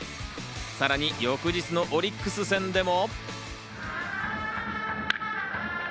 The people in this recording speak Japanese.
さらに翌日のオリックス戦でも。